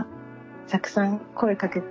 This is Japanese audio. たくさん声かけて。